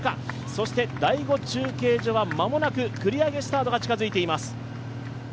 そして、第５中継所は間もなく繰り上げスタートが近づいています